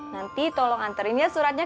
nanti tolong anterin ya suratnya